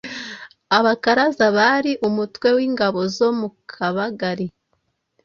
Abakaraza,:Bari umutwe w’ ingabo zo mu Kabagali